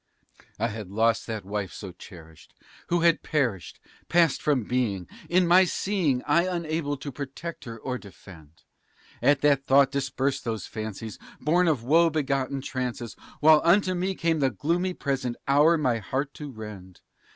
I had lost that wife so cherished, who had perished, passed from being, In my seeing I, unable to protect her or defend; At that thought dispersed those fancies, born of woe begotten trances, While unto me came the gloomy present hour my heart to rend.